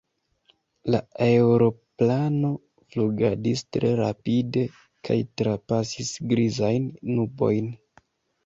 La aeroplano flugadis tre rapide kaj trapasis grizajn nubojn.